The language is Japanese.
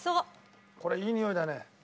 これいいにおいだね。